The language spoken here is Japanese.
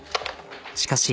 しかし。